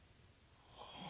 はあ。